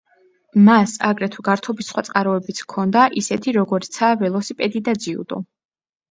მას აგრეთვე გართობის სხვა წყაროებიც ჰქონდა, ისეთი როგორიცაა ველოსიპედი და ძიუდო.